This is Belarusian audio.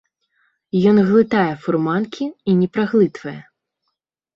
Ён глытае фурманкі і не праглытвае.